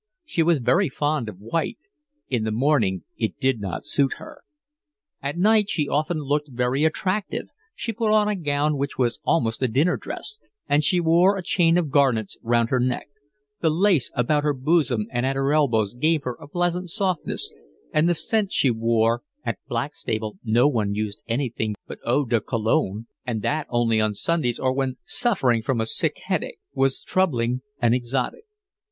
She was very fond of white; in the morning it did not suit her. At night she often looked very attractive, she put on a gown which was almost a dinner dress, and she wore a chain of garnets round her neck; the lace about her bosom and at her elbows gave her a pleasant softness, and the scent she wore (at Blackstable no one used anything but Eau de Cologne, and that only on Sundays or when suffering from a sick headache) was troubling and exotic.